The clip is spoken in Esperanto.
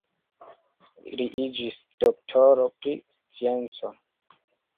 Li iĝis doktoro pri scienco.